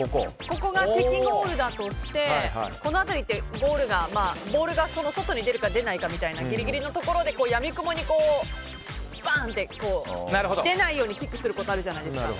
ここが敵ゴールだとしてこの辺りってボールが外に出るか出ないかみたいなギリギリのところでやみくもにバーンって出ないようにキックすることあるじゃないですか。